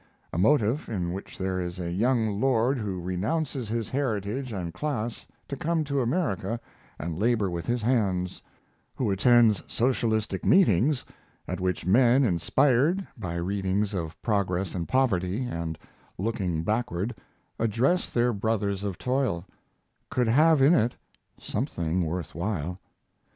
A motif in which there is a young lord who renounces his heritage and class to come to America and labor with his hands; who attends socialistic meetings at which men inspired by readings of 'Progress and Poverty' and 'Looking Backward' address their brothers of toil, could have in it something worth while.